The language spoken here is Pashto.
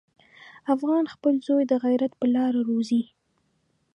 افغان خپل زوی د غیرت په لاره روزي.